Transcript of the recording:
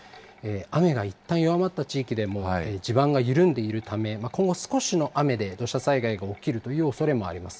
雨がいったん弱まった地域でも、地盤が緩んでいるため、今後、少しの雨で土砂災害が起きるというおそれもあります。